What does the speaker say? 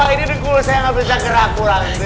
ini dikulis saya gak bisa gerak kurang sih